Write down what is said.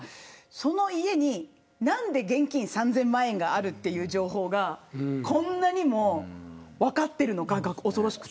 その家に何で現金３０００万円があるという情報がこんなにも分かっているのかが恐ろしくて。